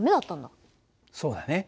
そうだね。